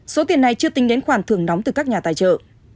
số tiền này chưa tính đến khoản thưởng nóng từ các nhà tài trợ